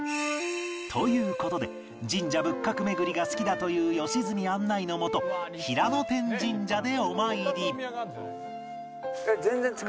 という事で神社仏閣巡りが好きだという良純案内のもと平野天神社でお参り